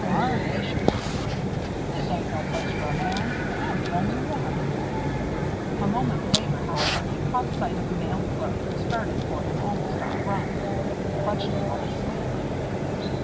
"Tarnation!" he breathed. "This ain't no place for a man I'm the only one!" A moment later, however, he caught sight of a male clerk and started for him almost on a run. He clutched him by the sleeve.